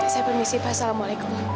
saya permisi pak assalamualaikum